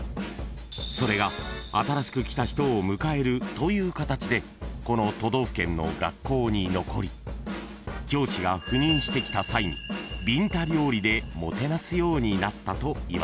［それが新しく来た人を迎えるという形でこの都道府県の学校に残り教師が赴任してきた際にビンタ料理でもてなすようになったといわれています］